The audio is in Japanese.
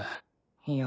いや。